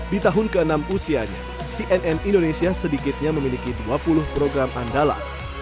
di tahun ke enam usianya cnn indonesia sedikitnya memiliki dua puluh program andalan